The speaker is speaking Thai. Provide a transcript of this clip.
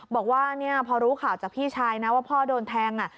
บอกว่าเนี่ยพอรู้ข่าวจากพี่ชายนะว่าพ่อโดนแทง